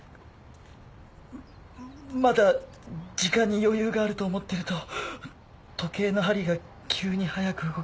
まだ時間に余裕があると思ってると時計の針が急にはやく動き始めて。